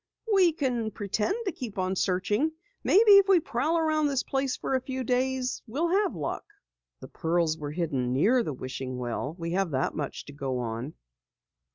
"We can pretend to keep on searching. Maybe if we prowl about this place for a few days, we'll have luck." "The pearls were hidden near the wishing well. We have that much to go on."